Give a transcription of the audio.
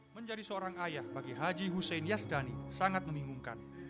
menjadi seorang ayah bagi haji hussein yasdani sangat membingungkan